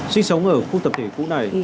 sinh sống ở khu tập thể cũ này